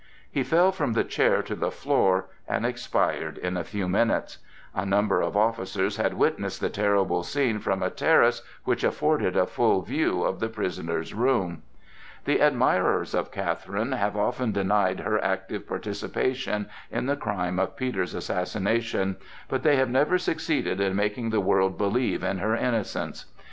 He fell from the chair to the floor and expired in a few minutes. A number of officers had witnessed the terrible scene from a terrace which afforded a full view of the prisoner's room. The admirers of Catherine have often denied her active participation in the crime of Peter's assassination; but they have never succeeded in making the world believe in her innocence.